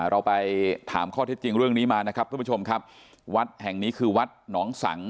เราไปถามข้อเท็จจริงเรื่องนี้มานะครับทุกผู้ชมครับวัดแห่งนี้คือวัดหนองสัง